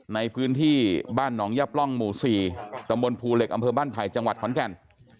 ในพื้นที่บ้านหนองยับล่องหมู่๔ตมภูเหล็กอภัยจังหวัดขอนแก่น